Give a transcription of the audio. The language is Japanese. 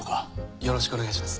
よろしくお願いします。